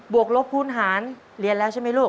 วกลบภูมิหารเรียนแล้วใช่ไหมลูก